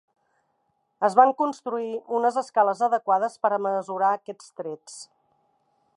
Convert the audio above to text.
Es van construir unes escales adequades per a mesurar aquests trets.